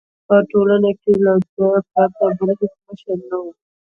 په ټولنه کې له ده پرته بل هېڅ مشر نه وو.